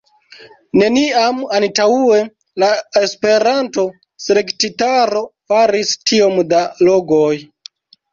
Neniam antaŭe la Esperanto-Selektitaro faris tiom da goloj.